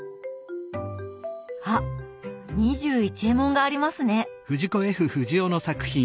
あっ「２１エモン」がありますね。